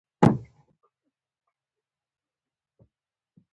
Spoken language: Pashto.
په داسې حالتونو کې هغه خلک له فکره کار اخلي.